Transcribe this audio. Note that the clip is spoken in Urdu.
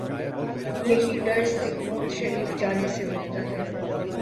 یہی ڈر سیہون شریف جانے سے روکتا ہے۔